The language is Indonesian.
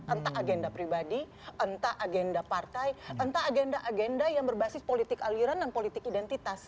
entah agenda pribadi entah agenda partai entah agenda agenda yang berbasis politik aliran dan politik identitas